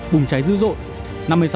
bùng cháy dữ dội